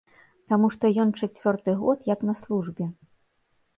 Таму што ён чацвёрты год як на службе.